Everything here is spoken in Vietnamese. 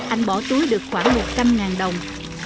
anh bỏ túi được khoảng một trăm linh đồng